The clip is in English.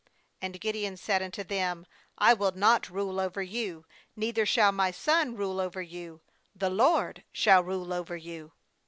^And Gideon said unto them: 'I will not rule over you, neither shall my son rule over you the LORD shall rule over you.'